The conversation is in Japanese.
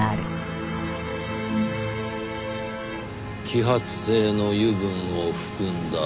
揮発性の油分を含んだ砂。